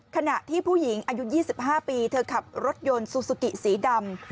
ขณะที่ผู้หญิงอายุ๒๕ปีเธอขับรถยนต์ซูซูกิสีดำ